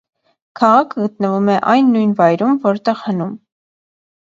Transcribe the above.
Քաղաքը գտնվում է այն նույն վայրում, որտեղ հնում։